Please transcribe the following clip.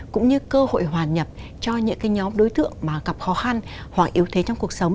cũng như cơ hội hoàn nhập cho những nhóm đối tượng mà gặp khó khăn hoặc yếu thế trong cuộc sống